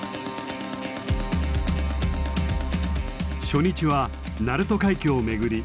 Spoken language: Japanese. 初日は鳴門海峡を巡り